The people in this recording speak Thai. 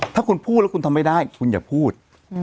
ถ้าคุณพูดแล้วคุณทำไม่ได้คุณอย่าพูด